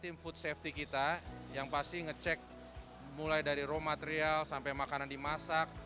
tim food safety kita yang pasti ngecek mulai dari raw material sampai makanan dimasak